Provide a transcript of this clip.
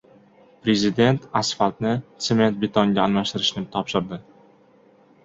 Prezident asfaltni sement-betonga almashtirishni topshirdi